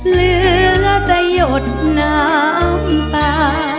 เหลือจะหยดน้ำตา